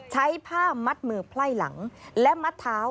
ใช้ผ้ามัดมือไพ่หลังและมัดเท้า